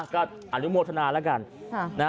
ก็อนุโมทนาแล้วกัน